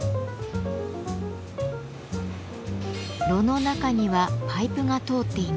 炉の中にはパイプが通っています。